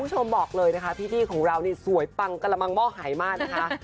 บอกเลยนะคะพี่ของเรานี่สวยปังกระมังหม้อหายมากนะคะ